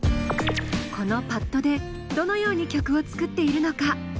このパッドでどのように曲を作っているのか？